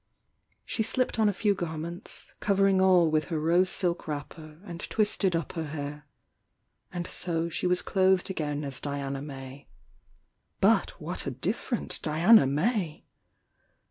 She slipped on a few garments, covering all with her rose silk wrapper, and twisted up her hair. And so she was clothed again as Diana May, — but what a different Diana May!